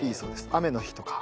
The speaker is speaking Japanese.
雨の日とか。